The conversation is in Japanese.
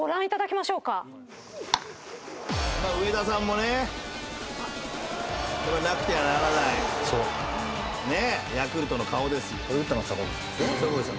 「まあ上田さんもねなくてはならないヤクルトの顔ですよ」